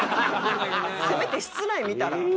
せめて室内見たら？